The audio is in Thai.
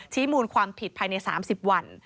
มูลความผิดภายใน๓๐วัน